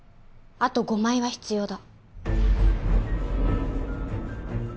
あと５枚は必要だ。